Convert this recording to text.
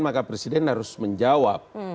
maka presiden harus menjawab